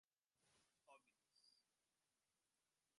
Óbidos